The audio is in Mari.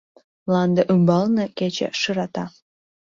Мланде ӱмбалне кече шырата.